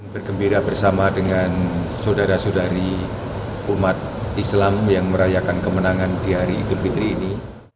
bergembira bersama dengan saudara saudari umat islam yang merayakan kemenangan di hari idul fitri ini